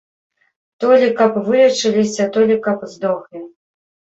То лі каб вылечыліся, то лі каб здохлі.